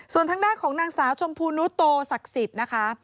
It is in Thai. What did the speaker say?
ส่วนทางด้านของนางสาวชมพูนุโตศักดิ์สิทธิ์นะคะ